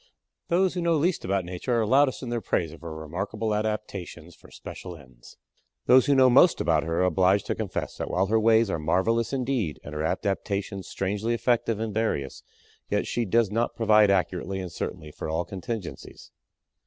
Those who know least about Nature are loudest in their praise of her remarkable adaptations for special ends. Those who know most about her are obliged to confess that while her ways are marvelous indeed and her adaptations strangely effective and various yet she does not provide accurately and certainly for all contingencies.